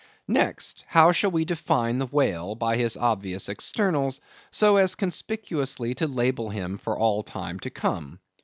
Next: how shall we define the whale, by his obvious externals, so as conspicuously to label him for all time to come?